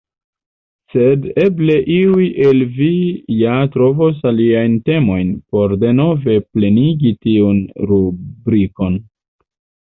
Sed eble iuj el vi ja trovos aliajn temojn, por denove plenigi tiun rubrikon.